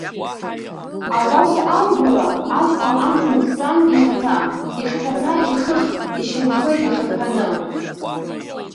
Агәашә ааигәара, аҵла амҵан дтәан ихаҭа, ихҭарԥа ихых, ишьамхы иахарԥаны.